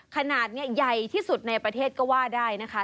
ขนาดใหญ่ที่สุดในประเทศก็ว่าได้นะคะ